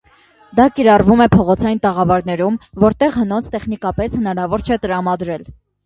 Դա կիրառվում է փողոցային տաղավարներում, որտեղ հնոց տեխնիկապես հնարավոր չէ տրամադրել։